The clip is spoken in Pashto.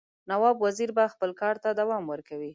نواب وزیر به خپل کارته دوام ورکوي.